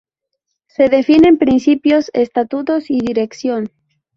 Se definen principios, estatutos y dirección.